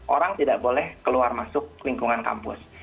orang tidak boleh keluar masuk lingkungan kampus